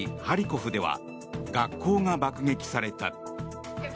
ハリコフでは学校が爆撃された。